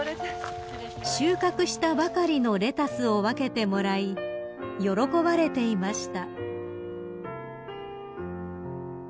［収穫したばかりのレタスを分けてもらい喜ばれていました］